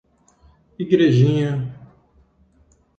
Igrejinha